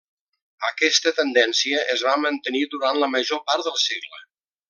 Aquesta tendència es va mantenir durant la major part del segle.